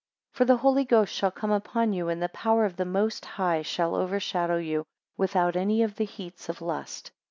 19 For the Holy Ghost shall come upon you, and the power of the Most High shall overshadow you, without any of the heats of lust.